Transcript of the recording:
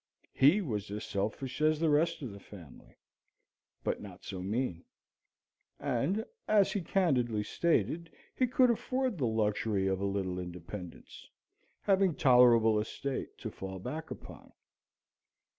He was as selfish as the rest of the family, but not so mean; and, as he candidly stated, he could afford the luxury of a little independence, having tolerable estate to fall back upon.